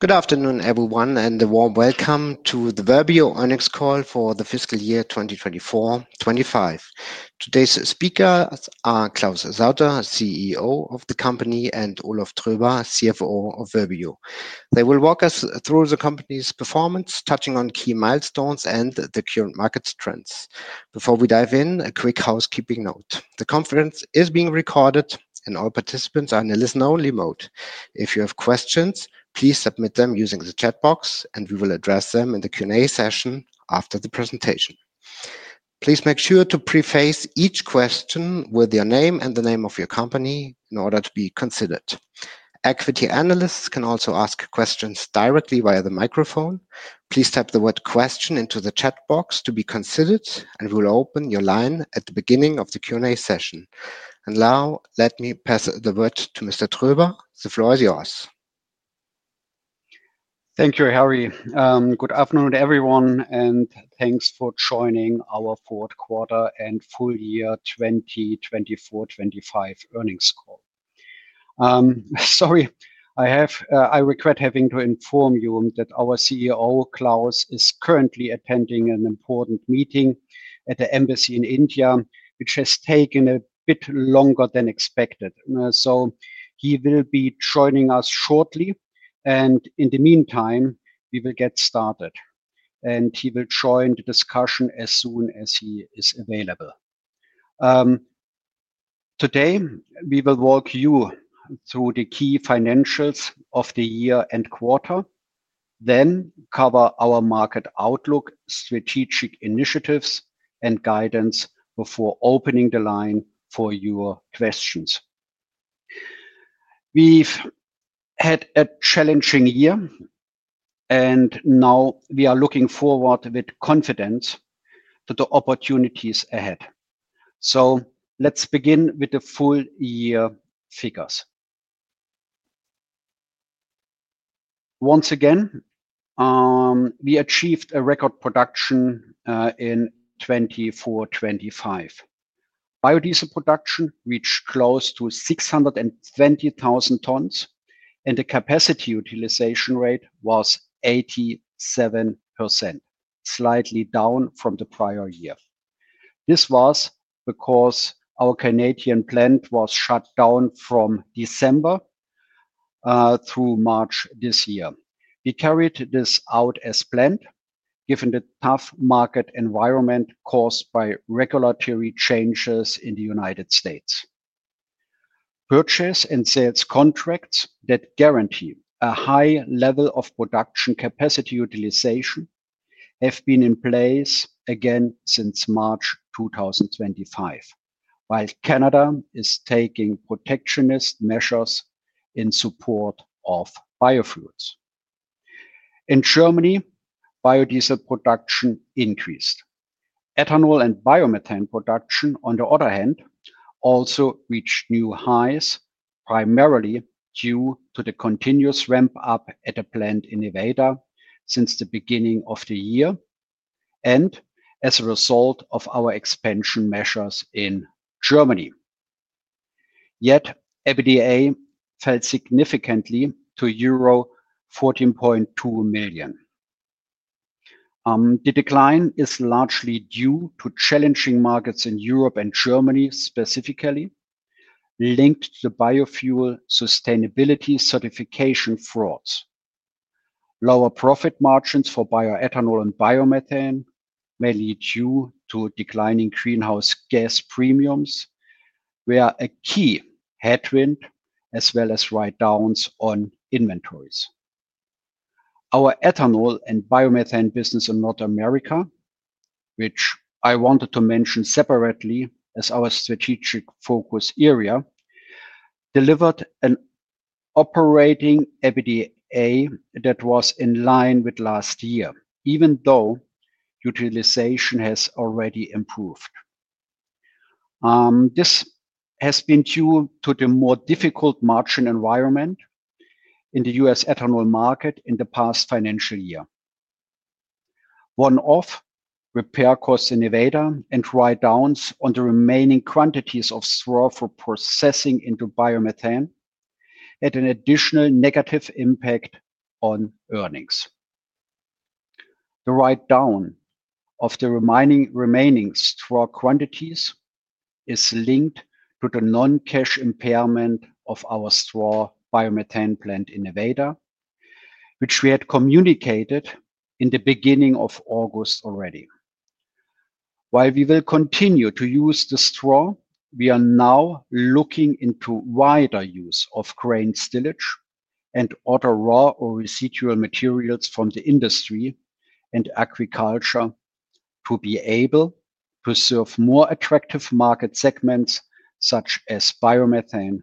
Good afternoon, everyone, and a warm welcome to the Verbio SE call for the fiscal year 2024-2025. Today's speakers are Claus Sauter, CEO of the company, and Olaf Troeber, CFO of Verbio SE. They will walk us through the company's performance, touching on key milestones and the current market trends. Before we dive in, a quick housekeeping note: the conference is being recorded, and all participants are in a listen-only mode. If you have questions, please submit them using the chat box, and we will address them in the Q&A session after the presentation. Please make sure to pre-phrase each question with your name and the name of your company in order to be considered. Equity analysts can also ask questions directly via the microphone. Please type the word "question" into the chat box to be considered, and we will open your line at the beginning of the Q&A session. Now, let me pass the word to Mr. Troeber. The floor is yours. Thank you. How are you? Good afternoon to everyone, and thanks for joining our fourth quarter and full year 2024-2025 earnings call. Sorry, I regret having to inform you that our CEO, Claus Sauter, is currently attending an important meeting at the embassy in India, which has taken a bit longer than expected. He will be joining us shortly, and in the meantime, we will get started, and he will join the discussion as soon as he is available. Today, we will walk you through the key financials of the year and quarter, then cover our market outlook, strategic initiatives, and guidance before opening the line for your questions. We've had a challenging year, and now we are looking forward with confidence to the opportunities ahead. Let's begin with the full year figures. Once again, we achieved a record production in 2024-2025. Biodiesel production reached close to 620,000 tons, and the capacity utilization rate was 87%, slightly down from the prior year. This was because our Canadian plant was shut down from December through March this year. We carried this out as planned, given the tough market environment caused by regulatory changes in the U.S. Purchase and sales contracts that guarantee a high level of production capacity utilization have been in place again since March 2025, while Canada is taking protectionist measures in support of biofuels. In Germany, biodiesel production increased. Ethanol and biomethane production, on the other hand, also reached new highs, primarily due to the continuous ramp-up at the plant in Nevada since the beginning of the year and as a result of our expansion measures in Germany. Yet, EBITDA fell significantly to €14.2 million. The decline is largely due to challenging markets in Europe and Germany, specifically linked to biofuel sustainability certification fraud. Lower profit margins for bioethanol and biomethane may be due to declining GHG quota premiums, which are a key headwind, as well as write-downs on inventories. Our ethanol and biomethane business in North America, which I wanted to mention separately as our strategic focus area, delivered an operating EBITDA that was in line with last year, even though utilization has already improved. This has been due to the more difficult margin environment in the U.S. ethanol market in the past financial year. One-off repair costs in Nevada and write-downs on the remaining quantities of straw for processing into biomethane had an additional negative impact on earnings. The write-down of the remaining straw quantities is linked to the non-cash impairment of our straw biomethane plant in Nevada, which we had communicated in the beginning of August already. While we will continue to use the straw, we are now looking into wider use of grain tillage and other raw or residual materials from the industry and agriculture to be able to serve more attractive market segments such as biomethane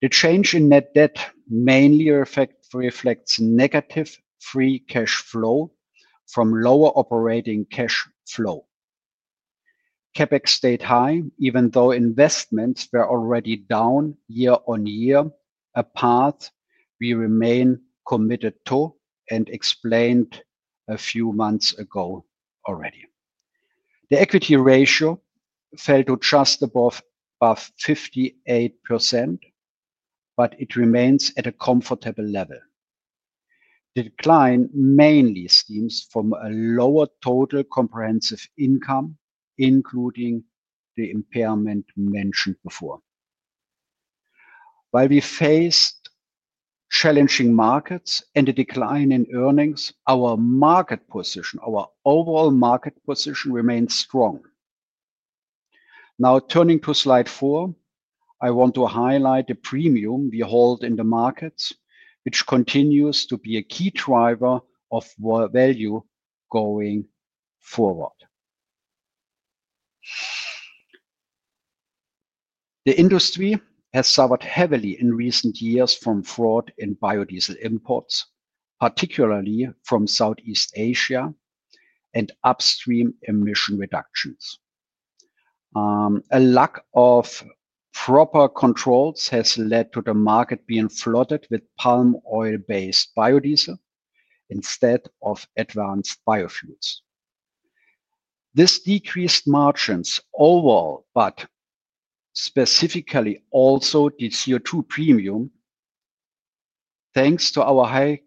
for shipping. The change in net debt mainly reflects negative free cash flow from lower operating cash flow. CapEx stayed high, even though investments were already down year on year, a path we remain committed to and explained a few months ago already. The equity ratio fell to just above 58%, but it remains at a comfortable level. The decline mainly stems from a lower total comprehensive income, including the impairment mentioned before. While we faced challenging markets and a decline in earnings, our market position, our overall market position, remains strong. Now, turning to slide four, I want to highlight the premium we hold in the markets, which continues to be a key driver of value going forward. The industry has suffered heavily in recent years from fraud in biodiesel imports, particularly from Southeast Asia and upstream emission reductions. A lack of proper controls has led to the market being flooded with palm oil-based biodiesel instead of advanced biofuels. This decreased margins overall, but specifically also the CO2 premium, thanks to our high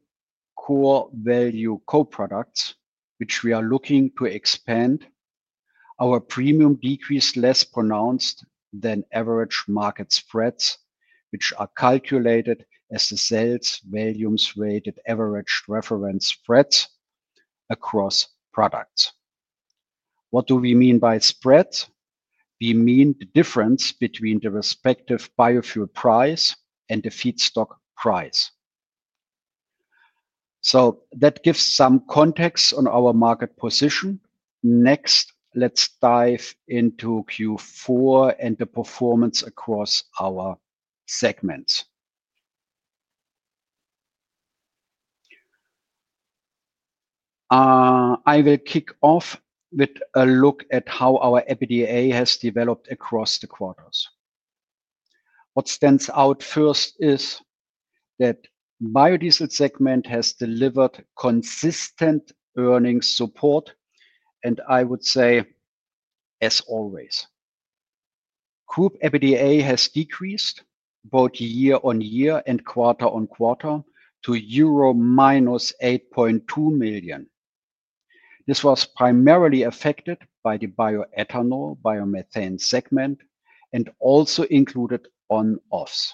core value co-products, which we are looking to expand, our premium decreased less pronounced than average market spreads, which are calculated as the sales volumes rated average reference spreads across products. What do we mean by spreads? We mean the difference between the respective biofuel price and the feedstock price. That gives some context on our market position. Next, let's dive into Q4 and the performance across our segments. I will kick off with a look at how our EBITDA has developed across the quarters. What stands out first is that the biodiesel segment has delivered consistent earnings support, and I would say, as always. Group EBITDA has decreased both year on year and quarter on quarter to €-8.2 million. This was primarily affected by the bioethanol/biomethane segment and also included one-offs.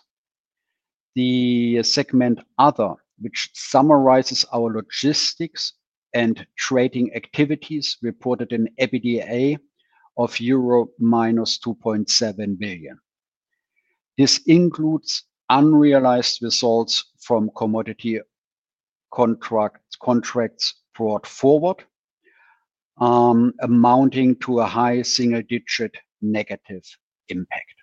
The segment Other, which summarizes our logistics and trading activities, reported an EBITDA of €-2.7 million. This includes unrealized results from commodity contracts brought forward, amounting to a high single-digit negative impact.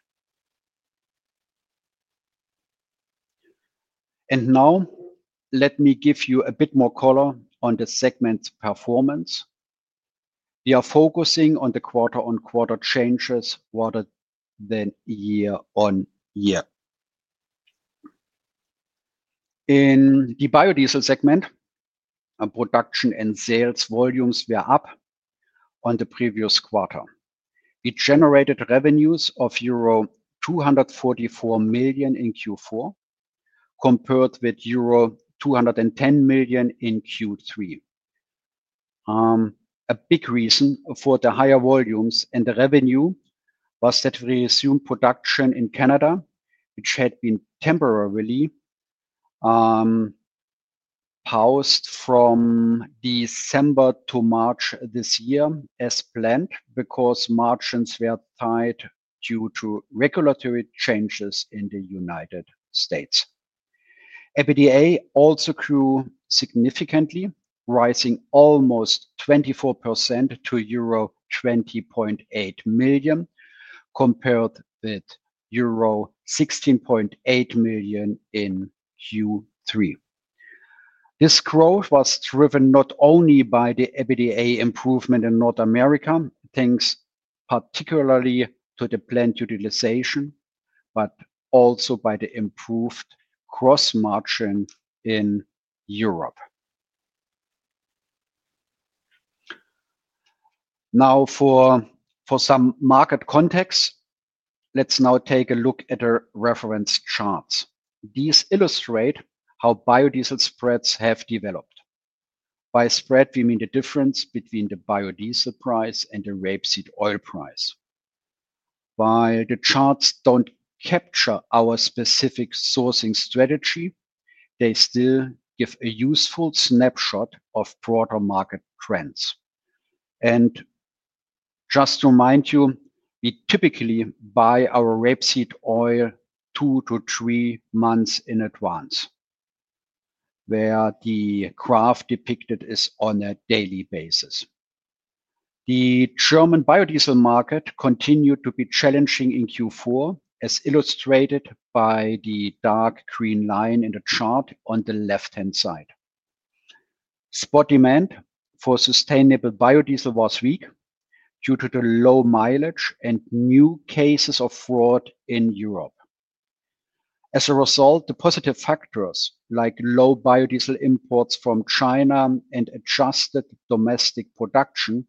Let me give you a bit more color on the segment's performance. We are focusing on the quarter-on-quarter changes rather than year on year. In the biodiesel segment, our production and sales volumes were up on the previous quarter. It generated revenues of €244 million in Q4 compared with €210 million in Q3. A big reason for the higher volumes and the revenue was that we resumed production in Canada, which had been temporarily paused from December to March this year as planned because margins were tight due to regulatory changes in the U.S. EBITDA also grew significantly, rising almost 24% to €20.8 million compared with €16.8 million in Q3. This growth was driven not only by the EBITDA improvement in North America, thanks particularly to the plant utilization, but also by the improved gross margin in Europe. For some market context, let's now take a look at the reference charts. These illustrate how biodiesel spreads have developed. By spread, we mean the difference between the biodiesel price and the rapeseed oil price. While the charts don't capture our specific sourcing strategy, they still give a useful snapshot of broader market trends. Just to remind you, we typically buy our rapeseed oil two to three months in advance, where the graph depicted is on a daily basis. The German biodiesel market continued to be challenging in Q4, as illustrated by the dark green line in the chart on the left-hand side. Spot demand for sustainable biodiesel was weak due to the low mileage and new cases of certification fraud in Europe. As a result, the positive factors like low biodiesel imports from China and adjusted domestic production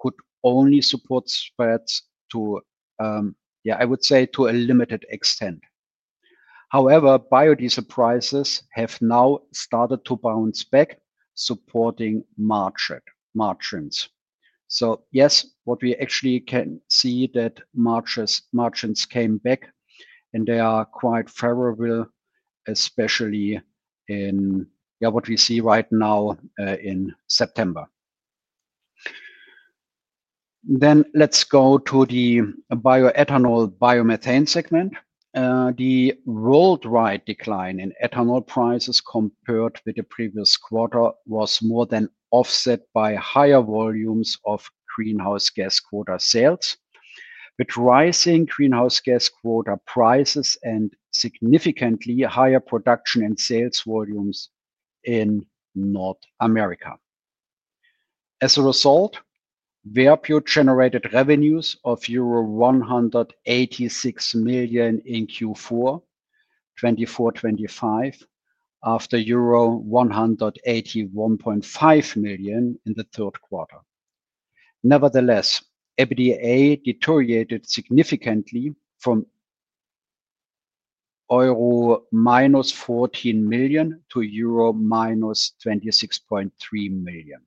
could only support spreads to a limited extent. However, biodiesel prices have now started to bounce back, supporting margins. What we actually can see is that margins came back, and they are quite favorable, especially in what we see right now in September. Let's go to the bioethanol/biomethane segment. The worldwide decline in ethanol prices compared with the previous quarter was more than offset by higher volumes of greenhouse gas quota sales, with rising greenhouse gas quota prices and significantly higher production and sales volumes in North America. As a result, Verbio SE generated revenues of €186 million in Q4 2024-2025 after €181.5 million in the third quarter. Nevertheless, EBITDA deteriorated significantly from €-14 million to €-26.3 million.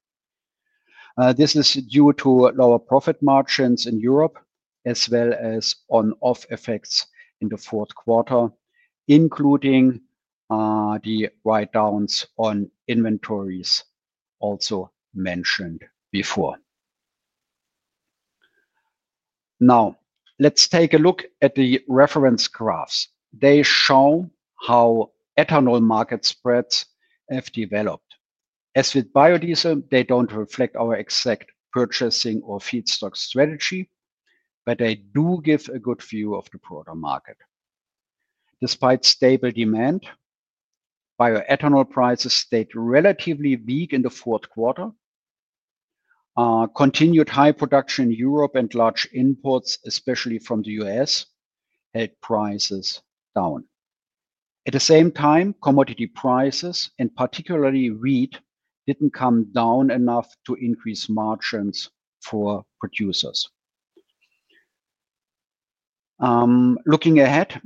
This is due to lower profit margins in Europe, as well as one-off effects in the fourth quarter, including the write-downs on inventories also mentioned before. Now, let's take a look at the reference graphs. They show how ethanol market spreads have developed. As with biodiesel, they don't reflect our exact purchasing or feedstock strategy, but they do give a good view of the broader market. Despite stable demand, bioethanol prices stayed relatively weak in the fourth quarter. Continued high production in Europe and large imports, especially from the U.S., held prices down. At the same time, commodity prices, and particularly wheat, didn't come down enough to increase margins for producers. Looking ahead,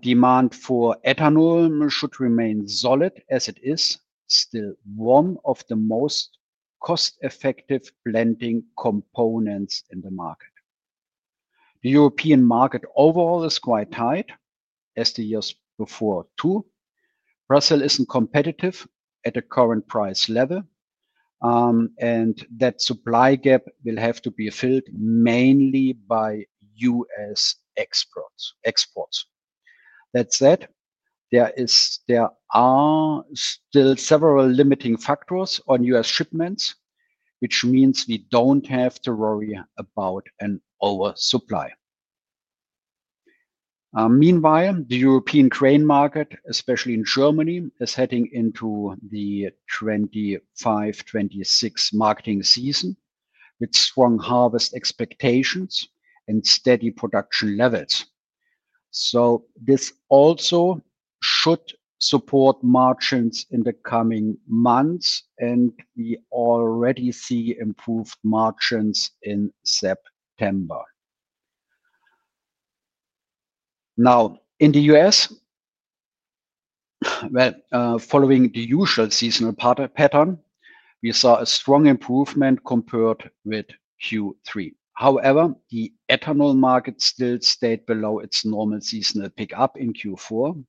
demand for ethanol should remain solid as it is, still one of the most cost-effective blending components in the market. The European market overall is quite tight, as the years before too. Brussels isn't competitive at the current price level, and that supply gap will have to be filled mainly by U.S. exports. That said, there are still several limiting factors on U.S. shipments, which means we don't have to worry about an oversupply. Meanwhile, the European grain market, especially in Germany, is heading into the 2025-2026 marketing season with strong harvest expectations and steady production levels. This also should support margins in the coming months, and we already see improved margins in September. In the U.S., following the usual seasonal pattern, we saw a strong improvement compared with Q3. However, the ethanol market still stayed below its normal seasonal pickup in Q4,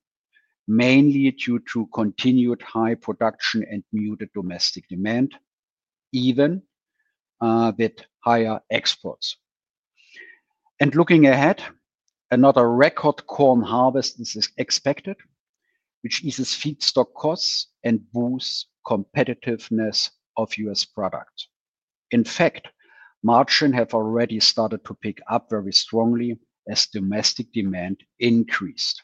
mainly due to continued high production and muted domestic demand, even with higher exports. Looking ahead, another record corn harvest is expected, which eases feedstock costs and boosts competitiveness of U.S. products. In fact, margins have already started to pick up very strongly as domestic demand increased.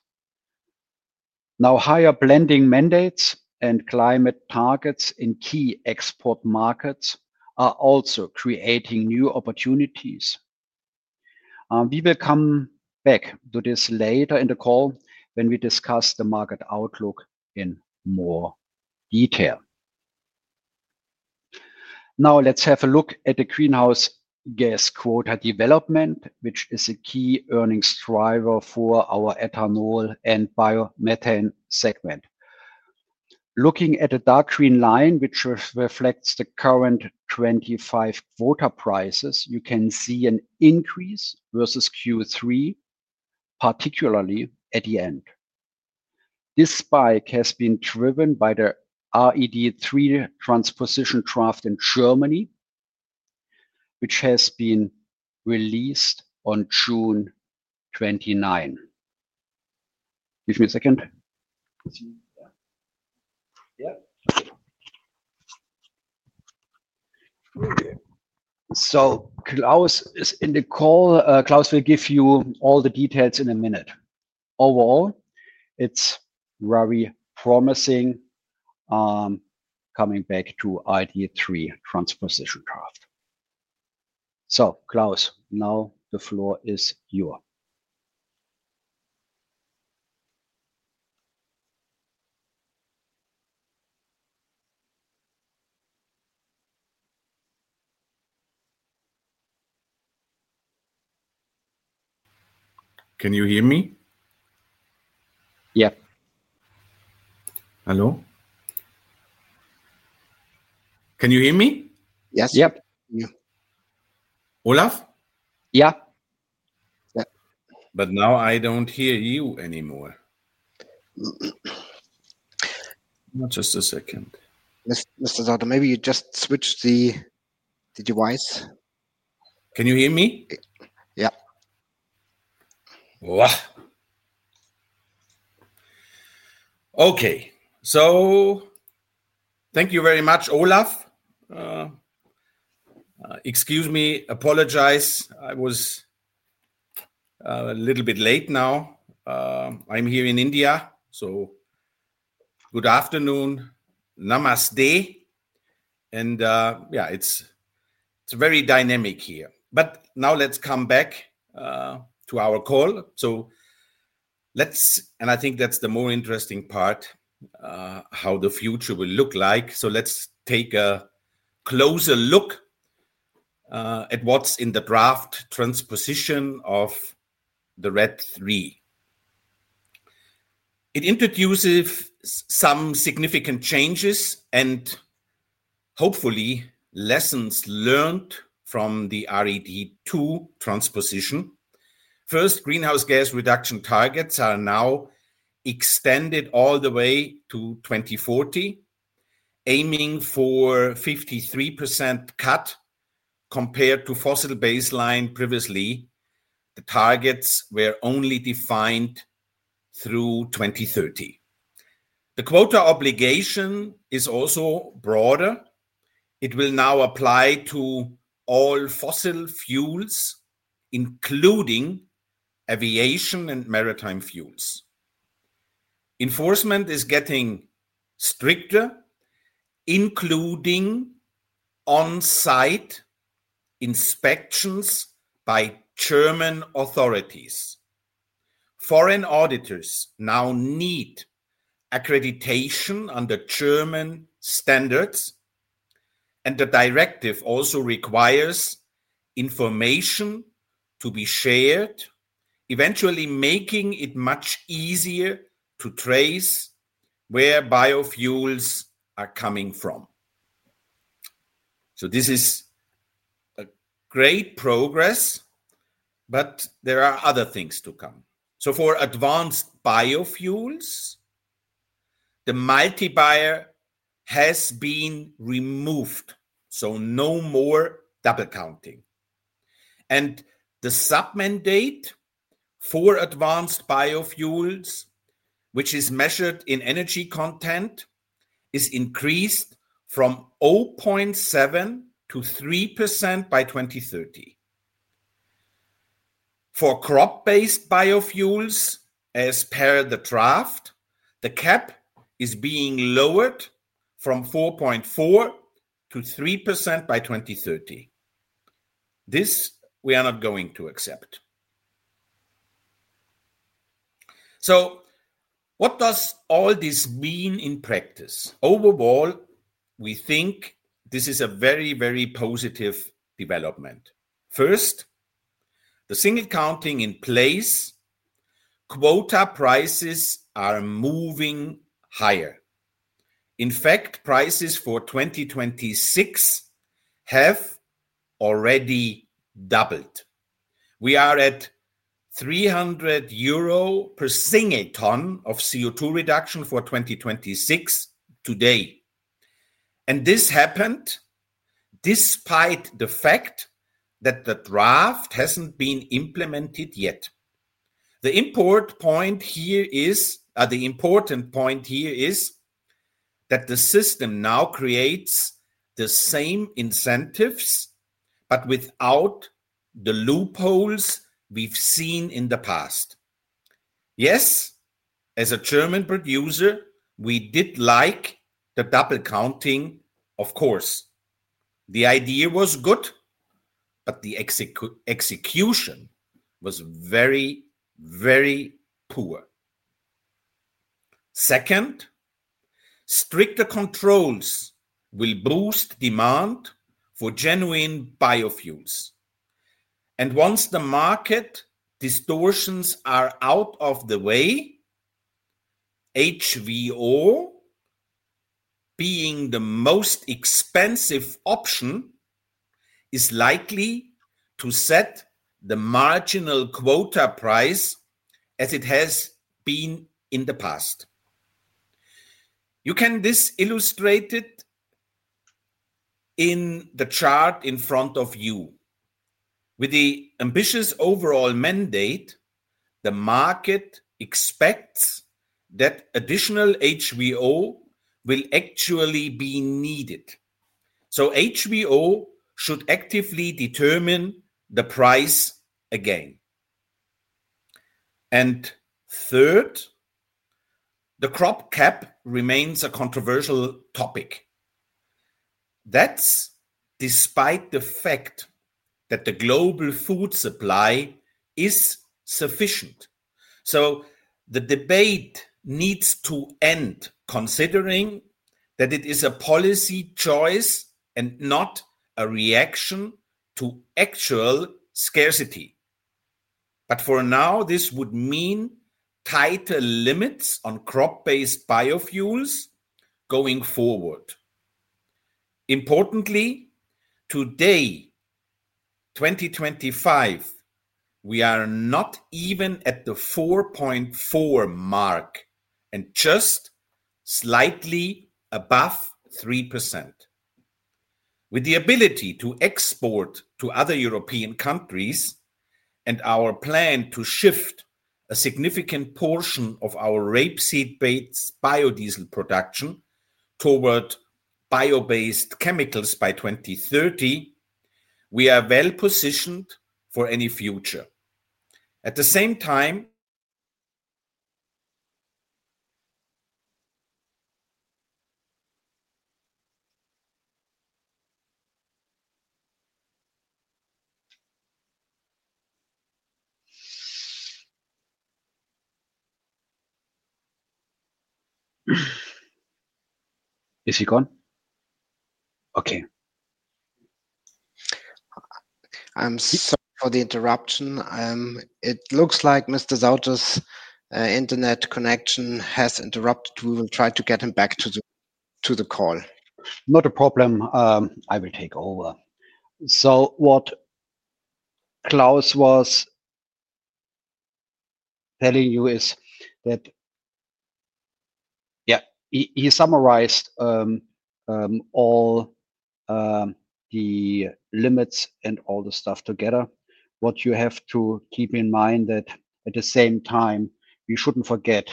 Now, higher blending mandates and climate targets in key export markets are also creating new opportunities. We will come back to this later in the call when we discuss the market outlook in more detail. Now, let's have a look at the greenhouse gas quota development, which is a key earnings driver for our ethanol and biomethane segment. Looking at the dark green line, which reflects the current 2025 quota prices, you can see an increase versus Q3, particularly at the end. This spike has been driven by the RED III transposition draft in Germany, which has been released on June 29. Give me a second. Claus is in the call. Claus will give you all the details in a minute. Overall, it's very promising, coming back to RED III transposition draft. Claus, now the floor is yours. Can you hear me? Yes. Hello, can you hear me? Yes. Yep. Olaf? Yeah. I don't hear you anymore. Just a second. Mr. Sauter, maybe you just switch the device. Can you hear me? Yeah. Thank you very much, Olaf. Excuse me, I apologize. I was a little bit late now. I'm here in India, so good afternoon, namaste. It's very dynamic here. Now let's come back to our call. I think that's the more interesting part, how the future will look like. Let's take a closer look at what's in the draft transposition of the RED III. It introduces some significant changes and hopefully lessons learned from the RED II transposition. First, greenhouse gas reduction targets are now extended all the way to 2040, aiming for a 53% cut compared to the fossil baseline. Previously, the targets were only defined through 2030. The quota obligation is also broader. It will now apply to all fossil fuels, including aviation and maritime fuels. Enforcement is getting stricter, including on-site inspections by German authorities. Foreign auditors now need accreditation under German standards, and the directive also requires information to be shared, eventually making it much easier to trace where biofuels are coming from. This is great progress, but there are other things to come. For advanced biofuels, the multi-bias has been removed, so no more double counting. The submandate for advanced biofuels, which is measured in energy content, is increased from 0.7% to 3% by 2030. For crop-based biofuels, as per the draft, the cap is being lowered from 4.4% to 3% by 2030. This we are not going to accept. What does all this mean in practice? Overall, we think this is a very, very positive development. First, the single counting in place, quota prices are moving higher. In fact, prices for 2026 have already doubled. We are at €300 per single ton of CO2 reduction for 2026 today. This happened despite the fact that the draft hasn't been implemented yet. The important point here is that the system now creates the same incentives, but without the loopholes we've seen in the past. Yes, as a German producer, we did like the double counting, of course. The idea was good, but the execution was very, very poor. Stricter controls will boost demand for genuine biofuels. Once the market distortions are out of the way, HVO, being the most expensive option, is likely to set the marginal quota price as it has been in the past. You can see this illustrated in the chart in front of you. With the ambitious overall mandate, the market expects that additional HVO will actually be needed. HVO should actively determine the price again. Third, the crop cap remains a controversial topic, despite the fact that the global food supply is sufficient. The debate needs to end, considering that it is a policy choice and not a reaction to actual scarcity. For now, this would mean tighter limits on crop-based biofuels going forward. Importantly, today, 2025, we are not even at the 4.4% mark and just slightly above 3%. With the ability to export to other European countries and our plan to shift a significant portion of our rapeseed-based biodiesel production toward bio-based chemicals by 2030, we are well positioned for any future. At the same time... Is he gone? Okay. Sorry for the interruption. It looks like Mr. Sauter's internet connection has interrupted. We will try to get him back to the call. Not a problem. I will take over. What Claus was telling you is that, yeah, he summarized all the limits and all the stuff together. What you have to keep in mind is that at the same time, we shouldn't forget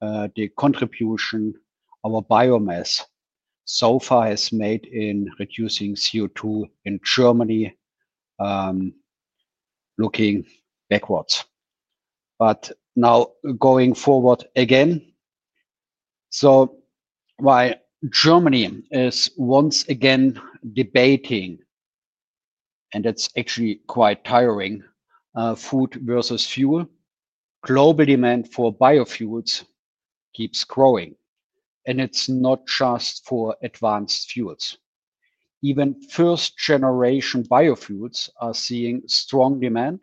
the contribution our biomass so far has made in reducing CO2 in Germany looking backwards. Now going forward again. While Germany is once again debating, and that's actually quite tiring, food versus fuel, global demand for biofuels keeps growing. It's not just for advanced fuels. Even first-generation biofuels are seeing strong demand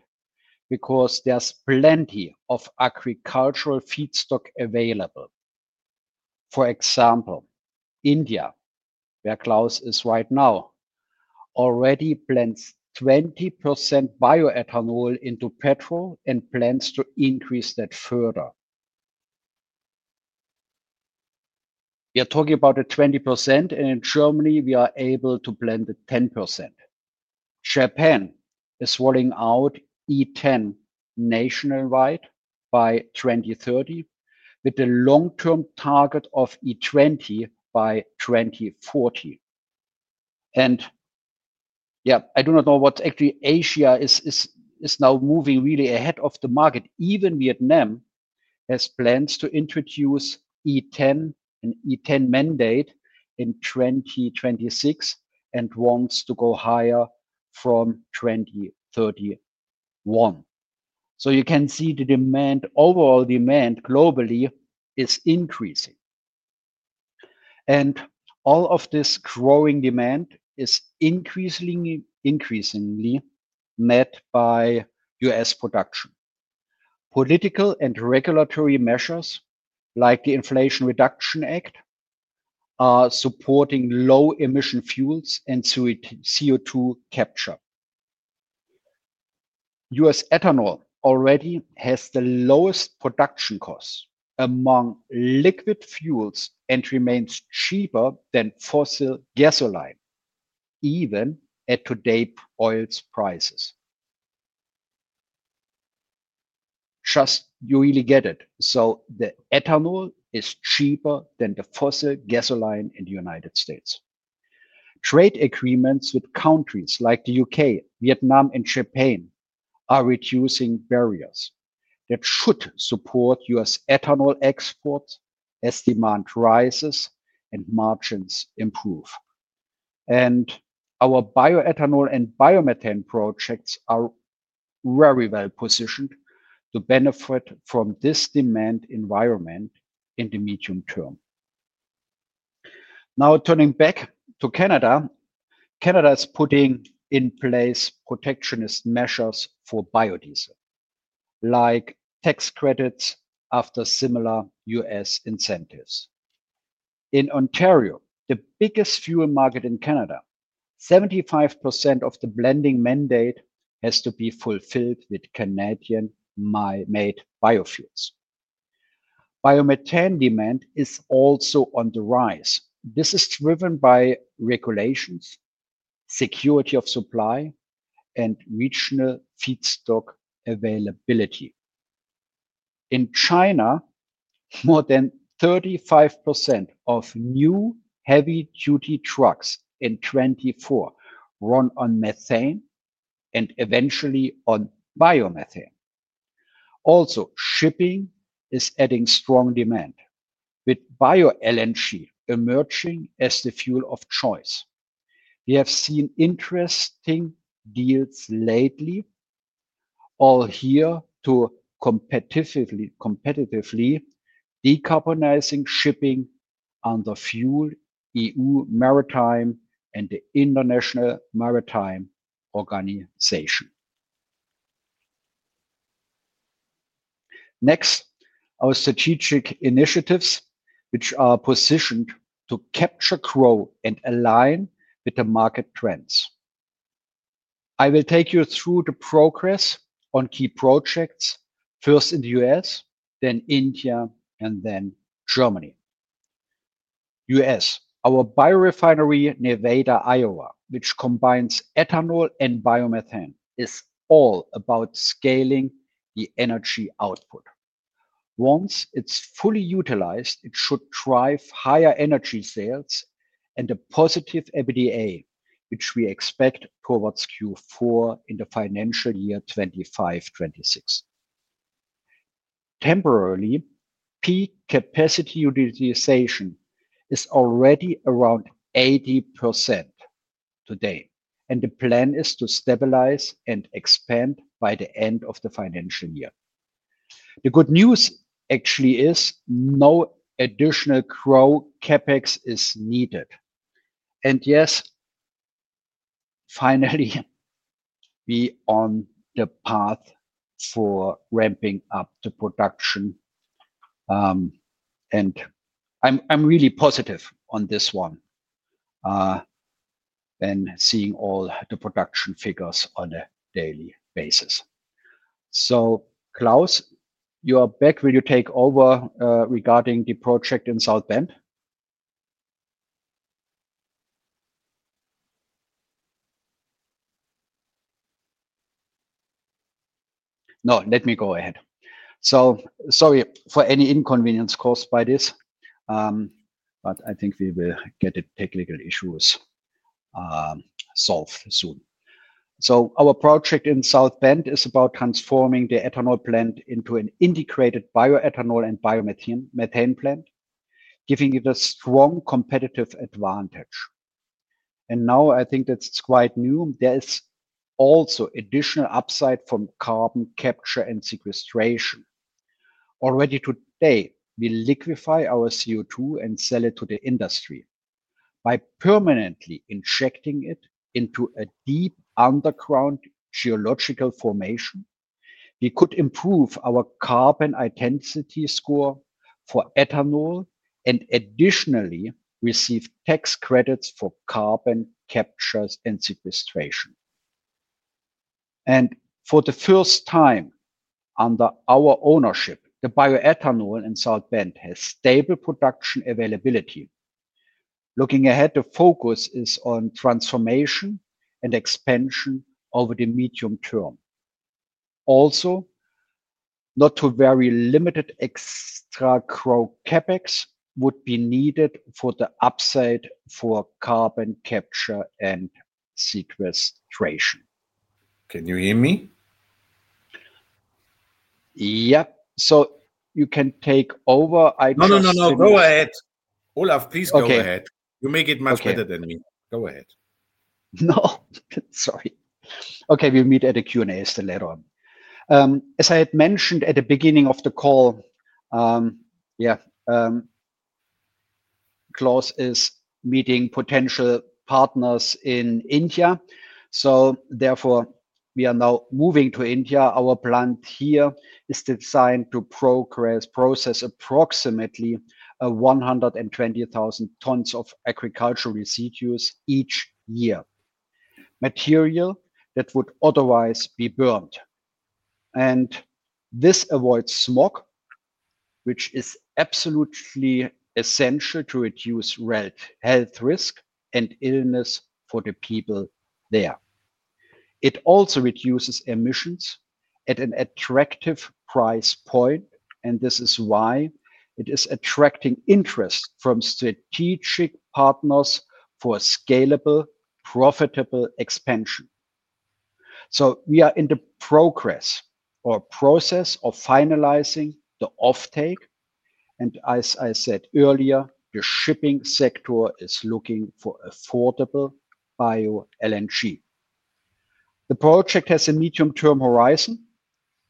because there's plenty of agricultural feedstock available. For example, India, where Claus is right now, already blends 20% bioethanol into petrol and plans to increase that further. We are talking about the 20%, and in Germany, we are able to blend the 10%. Japan is rolling out E10 nationwide by 2030, with a long-term target of E20 by 2040. I do not know what's actually Asia is now moving really ahead of the market. Even Vietnam has plans to introduce E10 and E10 mandate in 2026 and wants to go higher from 2031. You can see the demand, overall demand globally is increasing. All of this growing demand is increasingly met by U.S. production. Political and regulatory measures like the Inflation Reduction Act are supporting low-emission fuels and CO2 capture. U.S. ethanol already has the lowest production costs among liquid fuels and remains cheaper than fossil gasoline, even at today's oil prices. Just, you really get it. The ethanol is cheaper than the fossil gasoline in the United States. Trade agreements with countries like the UK, Vietnam, and Japan are reducing barriers that should support U.S. ethanol exports as demand rises and margins improve. Our bioethanol and biomethane projects are very well positioned to benefit from this demand environment in the medium term. Now, turning back to Canada, Canada is putting in place protectionist measures for biodiesel, like tax credits after similar U.S. incentives. In Ontario, the biggest fuel market in Canada, 75% of the blending mandate has to be fulfilled with Canadian-made biofuels. Biomethane demand is also on the rise. This is driven by regulations, security of supply, and regional feedstock availability. In China, more than 35% of new heavy-duty trucks in 2024 run on methane and eventually on biomethane. Also, shipping is adding strong demand, with bio-LNG emerging as the fuel of choice. We have seen interesting deals lately, all here to competitively decarbonize shipping under fuel, EU maritime, and the International Maritime Organization. Next, our strategic initiatives, which are positioned to capture, grow, and align with the market trends. I will take you through the progress on key projects, first in the U.S., then India, and then Germany. U.S., our biorefinery in Nevada, Iowa, which combines ethanol and biomethane, is all about scaling the energy output. Once it's fully utilized, it should drive higher energy sales and a positive EBITDA, which we expect towards Q4 in the financial year 2025-2026. Temporarily, peak capacity utilization is already around 80% today, and the plan is to stabilize and expand by the end of the financial year. The good news actually is no additional growth CapEx is needed. Yes, finally, we are on the path for ramping up the production, and I'm really positive on this one and seeing all the production figures on a daily basis. So, Claus, you are back when you take over regarding the project in South Bend? No, let me go ahead. Sorry for any inconvenience caused by this, but I think we will get the technical issues solved soon. Our project in South Bend is about transforming the ethanol plant into an integrated bioethanol and biomethane plant, giving it a strong competitive advantage. I think that's quite new. There is also additional upside from carbon capture and sequestration. Already today, we liquefy our CO2 and sell it to the industry. By permanently injecting it into a deep underground geological formation, we could improve our carbon identity score for ethanol and additionally receive tax credits for carbon capture and sequestration. For the first time under our ownership, the bioethanol in South Bend has stable production availability. Looking ahead, the focus is on transformation and expansion over the medium term. Also, not too very limited extra growth CapEx would be needed for the upside for carbon capture and sequestration. Can you hear me? Yep, you can take over. Go ahead. Olaf, please go ahead. You make it much better than me. Go ahead. No, sorry. Okay, we'll meet at the Q&A later on. As I had mentioned at the beginning of the call, yeah, Claus is meeting potential partners in India. Therefore, we are now moving to India. Our plant here is designed to process approximately 120,000 tons of agricultural residues each year, material that would otherwise be burned. This avoids smog, which is absolutely essential to reduce health risk and illness for the people there. It also reduces emissions at an attractive price point, and this is why it is attracting interest from strategic partners for a scalable, profitable expansion. We are in the progress or process of finalizing the offtake. As I said earlier, the shipping sector is looking for affordable bio-LNG. The project has a medium-term horizon,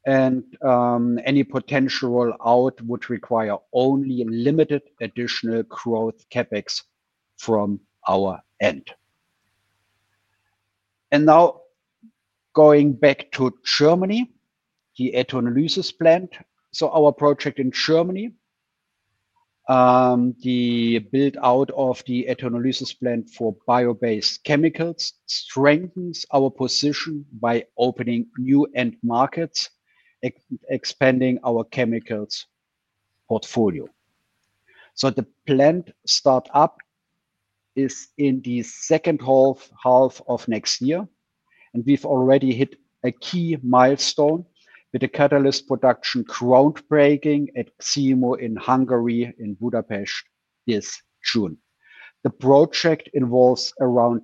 and any potential rollout would require only limited additional growth CapEx from our end. Now, going back to Germany, the ethanolysis plant. Our project in Germany, the build-out of the ethanolysis plant for bio-based chemicals, strengthens our position by opening new end markets and expanding our chemicals portfolio. The plant startup is in the second half of next year, and we've already hit a key milestone with the catalyst production groundbreaking at Ximo in Hungary in Budapest this June. The project involves around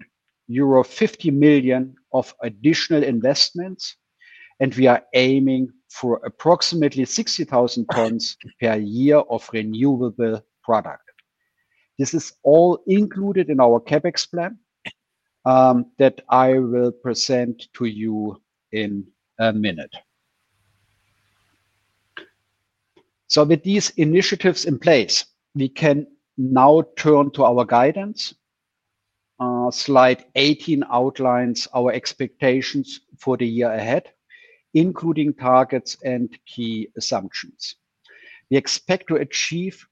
€50 million of additional investments, and we are aiming for approximately 60,000 tons per year of renewable product. This is all included in our CapEx plan that I will present to you in a minute. With these initiatives in place, we can now turn to our guidance. Slide 18 outlines our expectations for the year ahead, including targets and key assumptions. We expect to achieve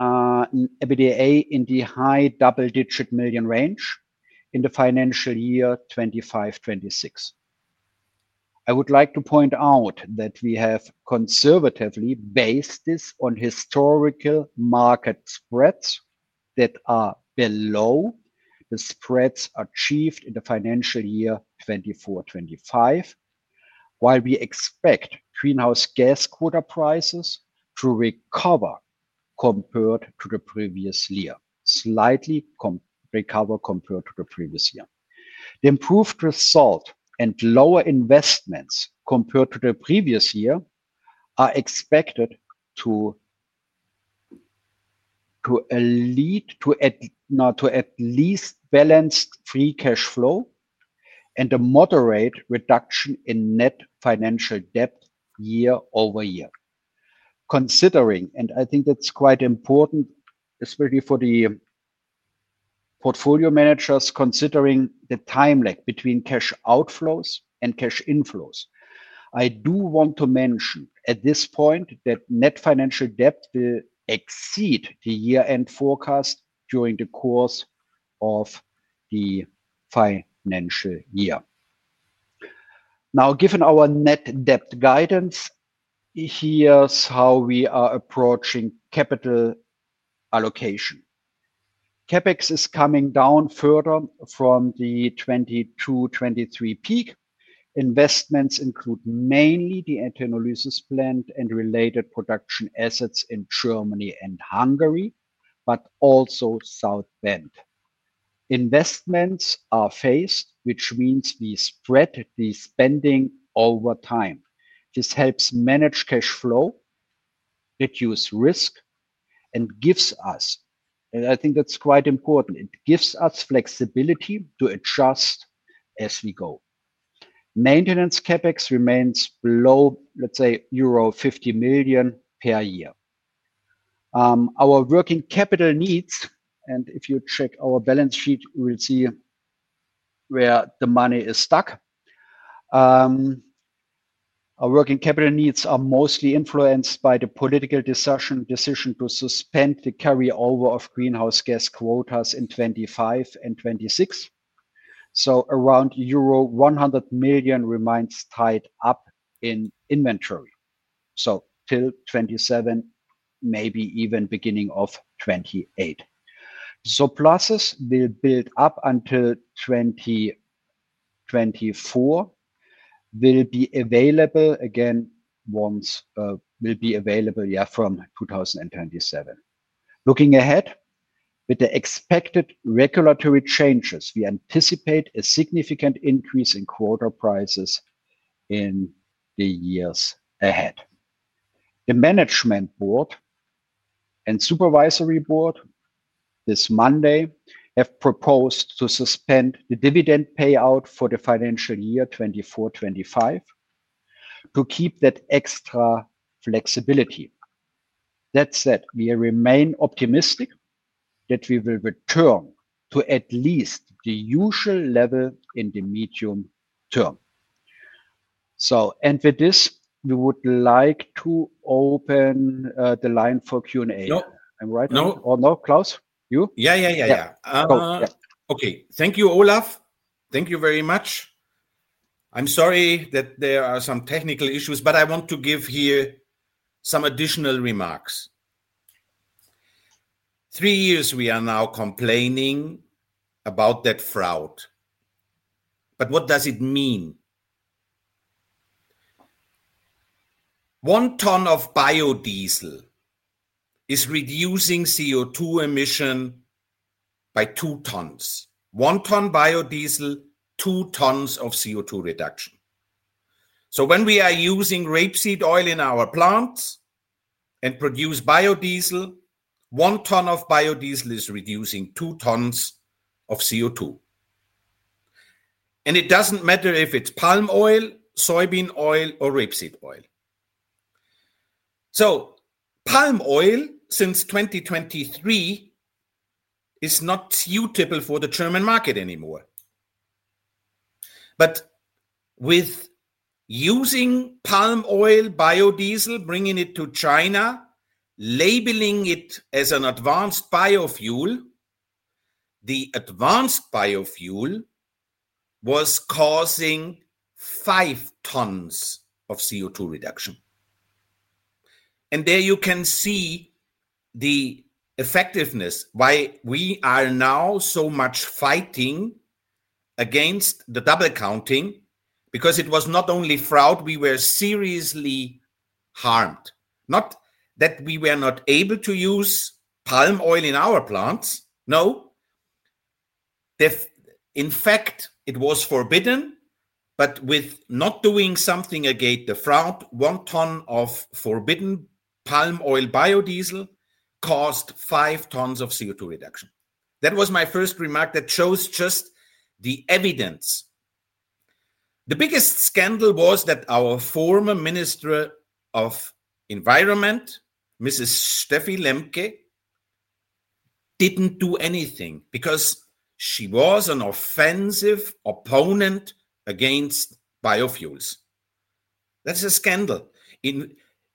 an EBITDA in the high double-digit million range in the financial year 2025-2026. I would like to point out that we have conservatively based this on historical market spreads that are below the spreads achieved in the financial year 2024-2025, while we expect greenhouse gas quota prices to recover compared to the previous year, slightly recover compared to the previous year. The improved result and lower investments compared to the previous year are expected to lead to at least balanced free cash flow and a moderate reduction in net financial debt year over year. Considering, and I think that's quite important, especially for the portfolio managers, considering the time lag between cash outflows and cash inflows. I do want to mention at this point that net financial debt will exceed the year-end forecast during the course of the financial year. Now, given our net debt guidance, here's how we are approaching capital allocation. CapEx is coming down further from the 2022-2023 peak. Investments include mainly the ethanolysis plant and related production assets in Germany and Hungary, but also South Bend. Investments are phased, which means we spread the spending over time. This helps manage cash flow, reduce risk, and gives us, and I think that's quite important, it gives us flexibility to adjust as we go. Maintenance CapEx remains below, let's say, €50 million per year. Our working capital needs, and if you check our balance sheet, we'll see where the money is stuck. Our working capital needs are mostly influenced by the political decision to suspend the carryover of greenhouse gas quotas in 2025 and 2026. Around €100 million remains tied up in inventory till 2027, maybe even the beginning of 2028. Pluses will build up until 2024, will be available again once, will be available, yeah, from 2027. Looking ahead, with the expected regulatory changes, we anticipate a significant increase in quota prices in the years ahead. The Management Board and Supervisory Board this Monday have proposed to suspend the dividend payout for the financial year 2024-2025 to keep that extra flexibility. That said, we remain optimistic that we will return to at least the usual level in the medium term. With this, we would like to open the line for Q&A. I'm right? No. No, Claus? You? Yeah. Go. Okay. Thank you, Olaf. Thank you very much. I'm sorry that there are some technical issues, but I want to give here some additional remarks. Three years, we are now complaining about that fraud. What does it mean? One ton of biodiesel is reducing CO2 emission by two tons. One ton biodiesel, two tons of CO2 reduction. When we are using rapeseed oil in our plants and produce biodiesel, one ton of biodiesel is reducing two tons of CO2. It doesn't matter if it's palm oil, soybean oil, or rapeseed oil. Palm oil, since 2023, is not suitable for the German market anymore. With using palm oil, biodiesel, bringing it to China, labeling it as an advanced biofuel, the advanced biofuel was causing five tons of CO2 reduction. There you can see the effectiveness, why we are now so much fighting against the double counting, because it was not only fraud, we were seriously harmed. Not that we were not able to use palm oil in our plants, no. In fact, it was forbidden, but with not doing something against the fraud, one ton of forbidden palm oil biodiesel caused five tons of CO2 reduction. That was my first remark that shows just the evidence. The biggest scandal was that our former Minister of Environment, Mrs. Steffi Lemke, didn't do anything because she was an offensive opponent against biofuels. That's a scandal.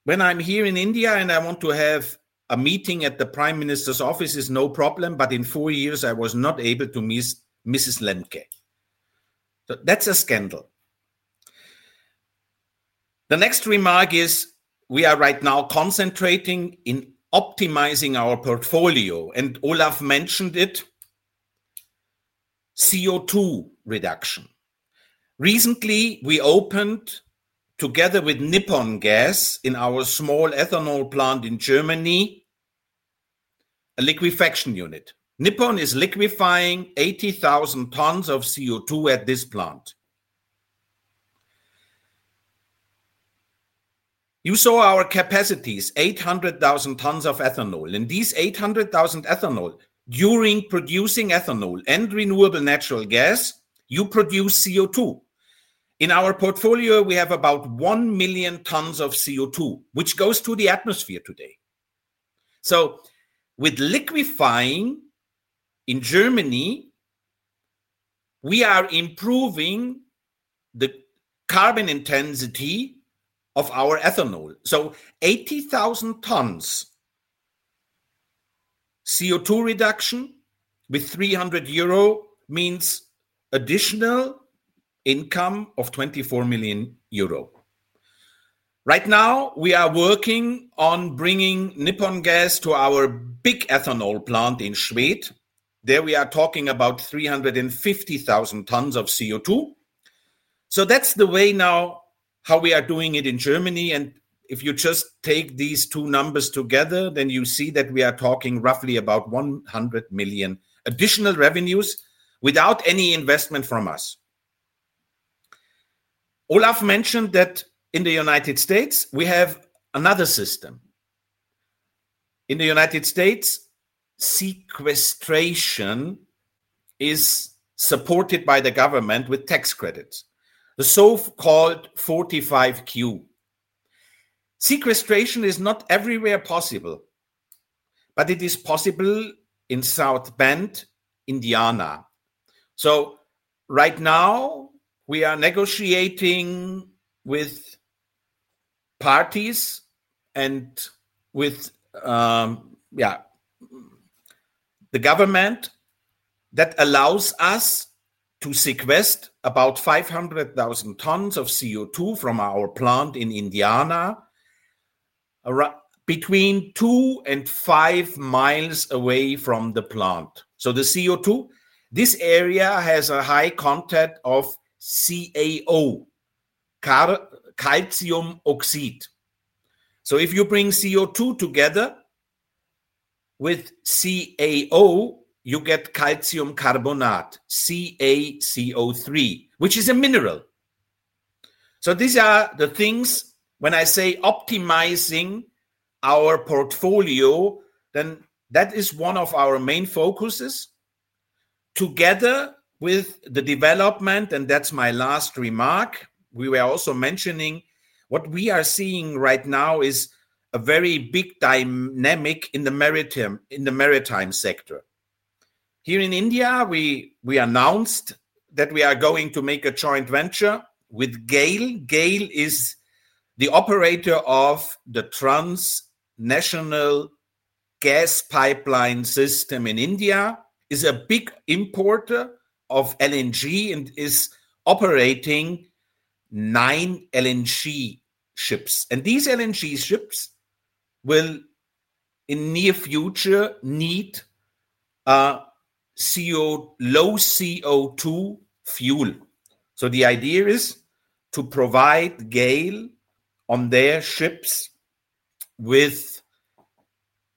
When I'm here in India and I want to have a meeting at the Prime Minister's office, it's no problem, but in four years, I was not able to meet Mrs. Lemke. That's a scandal. The next remark is we are right now concentrating on optimizing our portfolio, and Olaf mentioned it, CO2 reduction. Recently, we opened, together with Nippon Gas in our small ethanol plant in Germany, a liquefaction unit. Nippon is liquefying 80,000 tons of CO2 at this plant. You saw our capacities, 800,000 tons of ethanol. These 800,000 ethanol, during producing ethanol and renewable natural gas, you produce CO2. In our portfolio, we have about 1 million tons of CO2, which goes to the atmosphere today. With liquefying in Germany, we are improving the carbon intensity of our ethanol. 80,000 tons CO2 reduction with €300 means additional income of €24 million. Right now, we are working on bringing Nippon Gas to our big ethanol plant in Schwedt. There we are talking about 350,000 tons of CO2. That's the way now how we are doing it in Germany. If you just take these two numbers together, then you see that we are talking roughly about $100 million additional revenues without any investment from us. Olaf mentioned that in the U.S., we have another system. In the U.S., sequestration is supported by the government with tax credits, the so-called 45Q. Sequestration is not everywhere possible, but it is possible in South Bend, Indiana. Right now, we are negotiating with parties and with the government that allows us to sequester about 500,000 tons of CO2 from our plant in Indiana, between two and five miles away from the plant. The CO2, this area has a high content of CaO, calcium oxide. If you bring CO2 together with CaO, you get calcium carbonate, CaCO3, which is a mineral. These are the things, when I say optimizing our portfolio, that is one of our main focuses. Together with the development, and that's my last remark, we were also mentioning what we are seeing right now is a very big dynamic in the maritime sector. Here in India, we announced that we are going to make a joint venture with Gail. Gail is the operator of the Transnational Gas Pipeline System in India, is a big importer of LNG, and is operating nine LNG ships. These LNG ships will, in the near future, need low CO2 fuel. The idea is to provide Gail on their ships with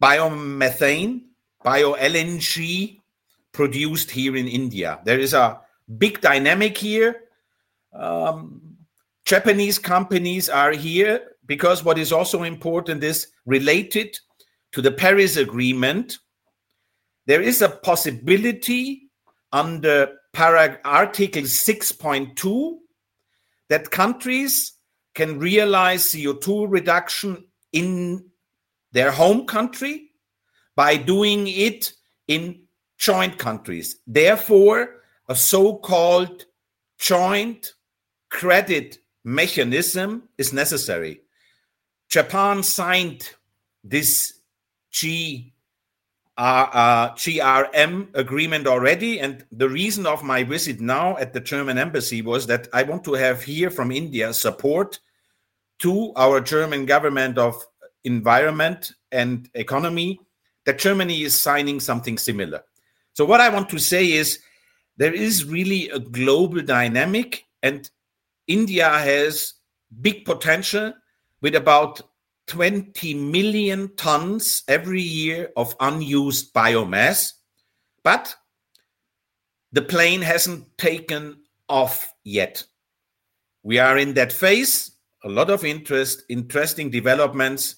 biomethane, bio-LNG produced here in India. There is a big dynamic here. Japanese companies are here because what is also important is related to the Paris Agreement. There is a possibility under Article 6.2 that countries can realize CO2 reduction in their home country by doing it in joint countries. Therefore, a so-called joint credit mechanism is necessary. Japan signed this GRM agreement already, and the reason of my visit now at the German Embassy was that I want to have here from India support to our German government of environment and economy that Germany is signing something similar. What I want to say is there is really a global dynamic, and India has big potential with about 20 million tons every year of unused biomass, but the plane hasn't taken off yet. We are in that phase, a lot of interesting developments.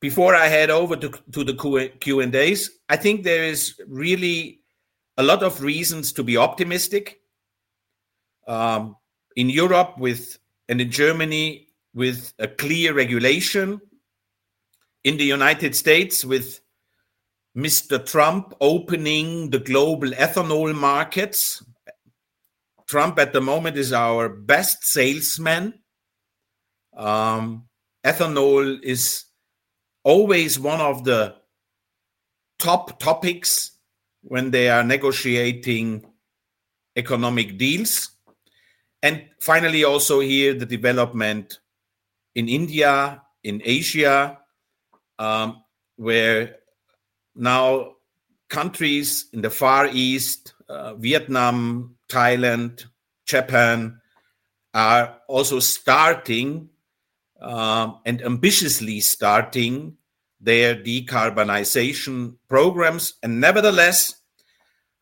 Before I head over to the Q&As, I think there is really a lot of reasons to be optimistic in Europe and in Germany with a clear regulation, in the U.S. with Mr. Trump opening the global ethanol markets. Trump at the moment is our best salesman. Ethanol is always one of the top topics when they are negotiating economic deals. Finally, also here the development in India, in Asia, where now countries in the Far East, Vietnam, Thailand, Japan are also starting and ambitiously starting their decarbonization programs. Nevertheless,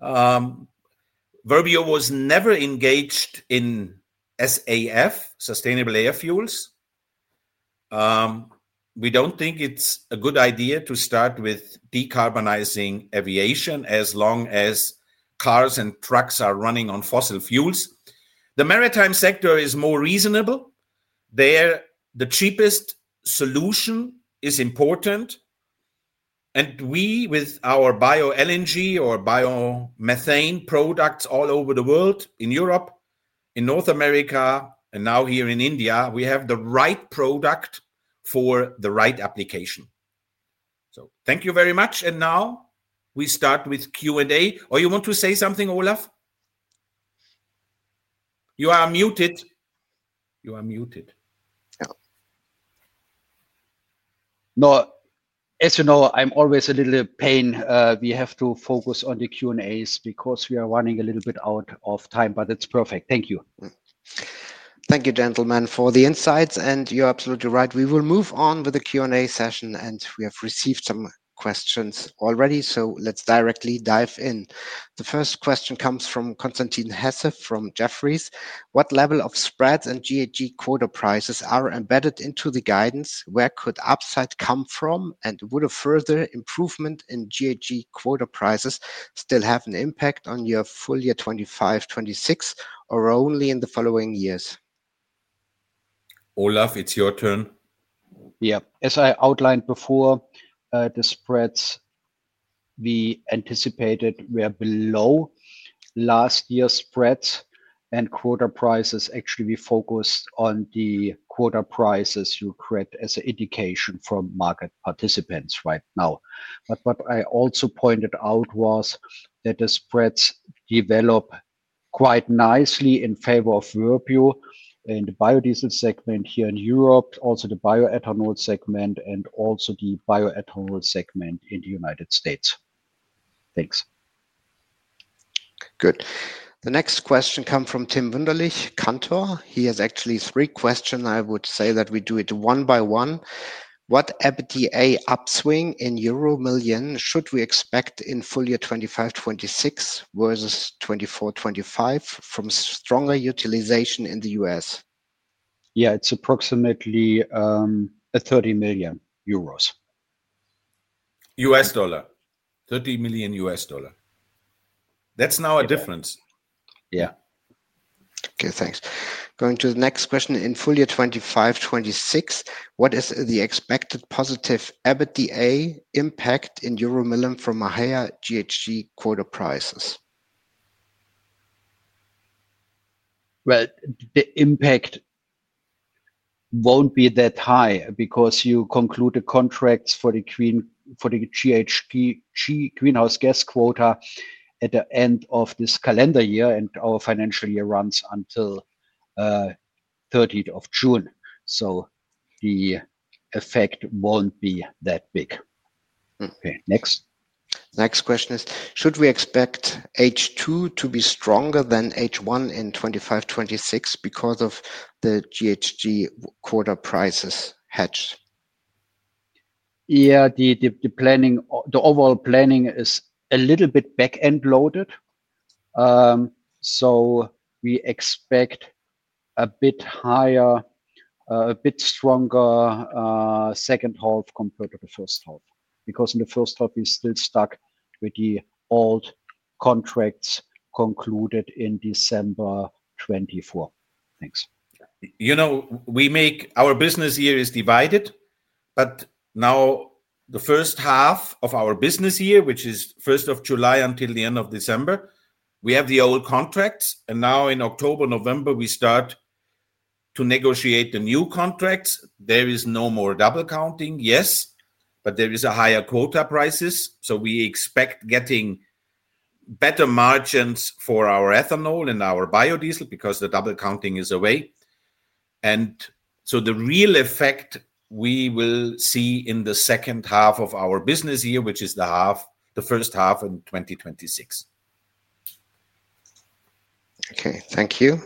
Verbio was never engaged in SAF, sustainable air fuels. We don't think it's a good idea to start with decarbonizing aviation as long as cars and trucks are running on fossil fuels. The maritime sector is more reasonable. There, the cheapest solution is important. We, with our bio-LNG or biomethane products all over the world, in Europe, in North America, and now here in India, have the right product for the right application. Thank you very much. Now we start with Q&A. Oh, you want to say something, Olaf? You are muted. No, as you know, I'm always a little pain. We have to focus on the Q&As because we are running a little bit out of time, but it's perfect. Thank you. Thank you, gentlemen, for the insights, and you're absolutely right. We will move on with the Q&A session, and we have received some questions already, so let's directly dive in. The first question comes from Constantin Hessif from Jefferies. What level of spreads and GHG quota prices are embedded into the guidance? Where could upside come from, and would a further improvement in GHG quota prices still have an impact on your full year 2025-2026, or only in the following years? Olaf, it's your turn. Yeah, as I outlined before, the spreads we anticipated were below last year's spreads, and quota prices, actually, we focused on the quota prices you read as an indication from market participants right now. What I also pointed out was that the spreads developed quite nicely in favor of Verbio in the biodiesel segment here in Europe, also the bioethanol segment, and also the bioethanol segment in the United States. Thanks. Good. The next question comes from Tim Wunderlich, Kantor. He has actually three questions. I would say that we do it one by one. What EBITDA upswing in € million should we expect in full year 2025-2026 versus 2024-2025 from stronger utilization in the U.S.? Yeah, it's approximately €30 million. $30 million. That's now a difference. Okay, thanks. Going to the next question. In full year 2025-2026, what is the expected positive EBITDA impact in € million from higher GHG quota prices? The impact won't be that high because you conclude the contracts for the GHG quota at the end of this calendar year, and our financial year runs until June 30. The effect won't be that big. Okay, next question is, should we expect H2 to be stronger than H1 in 2025-2026 because of the GHG quota prices hatched? Yeah, the overall planning is a little bit back-end loaded. We expect a bit higher, a bit stronger second half compared to the first half because in the first half, we're still stuck with the old contracts concluded in December 2024. Thanks. You know, we make our business year is divided, but now the first half of our business year, which is 1st of July until the end of December, we have the old contracts, and now in October, November, we start to negotiate the new contracts. There is no more double counting, yes, but there is a higher quota prices. We expect getting better margins for our ethanol and our biodiesel because the double counting is away. The real effect we will see in the second half of our business year, which is the half, the first half in 2026. Thank you.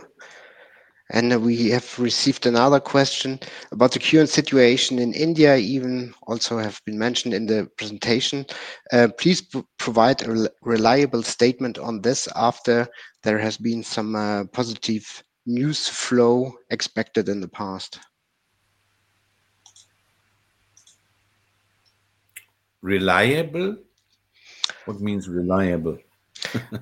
We have received another question about the current situation in India, which also has been mentioned in the presentation. Please provide a reliable statement on this after there has been some positive news flow expected in the past. Reliable? What means reliable?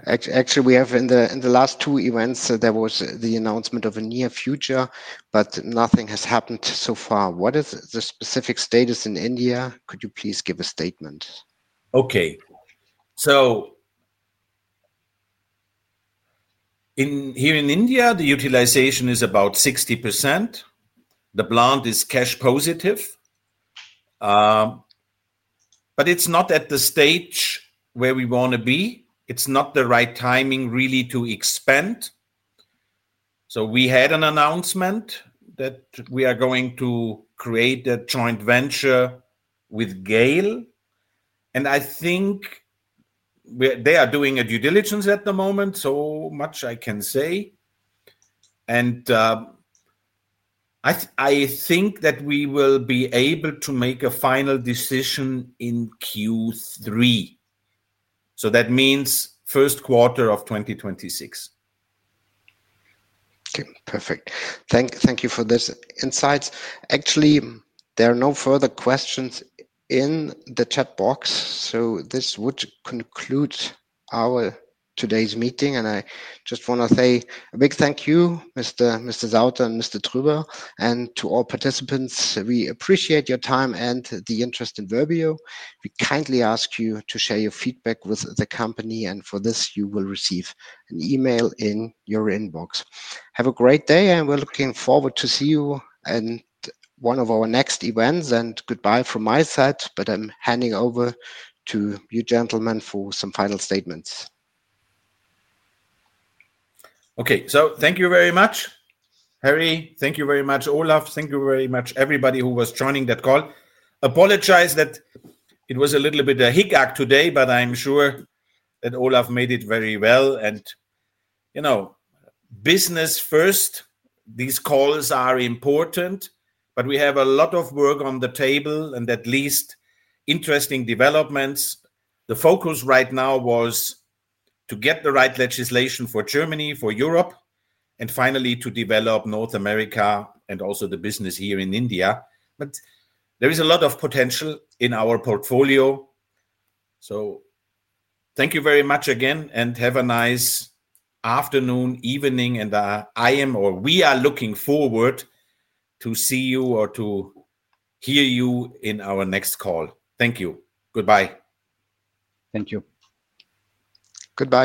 Actually, we have in the last two events, there was the announcement of a near future, but nothing has happened so far. What is the specific status in India? Could you please give a statement? Okay. Here in India, the utilization is about 60%. The plant is cash positive, but it's not at the stage where we want to be. It's not the right timing really to expand. We had an announcement that we are going to create a joint venture with Gail, and I think they are doing a due diligence at the moment, so much I can say. I think that we will be able to make a final decision in Q3, which means first quarter of 2026. Okay, perfect. Thank you for those insights. Actually, there are no further questions in the chat box. This would conclude our today's meeting, and I just want to say a big thank you, Mr. Sauter and Mr. Troeber. To all participants, we appreciate your time and the interest in Verbio. We kindly ask you to share your feedback with the company, and for this, you will receive an email in your inbox. Have a great day, and we're looking forward to seeing you at one of our next events. Goodbye from my side, but I'm handing over to you gentlemen for some final statements. Okay, so thank you very much, Harry. Thank you very much, Olaf. Thank you very much, everybody who was joining that call. Apologize that it was a little bit of a hiccup today, but I'm sure that Olaf made it very well. You know, business first, these calls are important, but we have a lot of work on the table and at least interesting developments. The focus right now was to get the right legislation for Germany, for Europe, and finally to develop North America and also the business here in India. There is a lot of potential in our portfolio. Thank you very much again and have a nice afternoon, evening, and I am, or we are looking forward to seeing you or to hearing you in our next call. Thank you. Goodbye. Thank you. Goodbye.